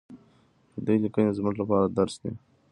د دوی لیکنې زموږ لپاره درس دی.